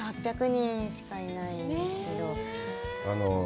８００人しかいないんです。